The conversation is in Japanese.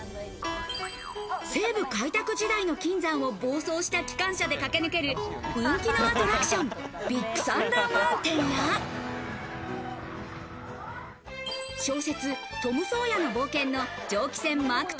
西部開拓時代の金山を暴走した機関車で駆け抜ける人気のアトラクション、ビッグサンダー・マウンテンや、小説『トム・ソーヤーの冒険』の蒸気船マーク